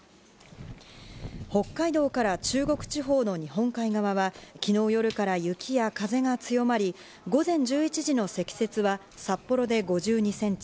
北海道から中国地方の日本海側は昨日夜から雪や風が強まり、午前１１時の積雪は札幌で５２ｃｍ、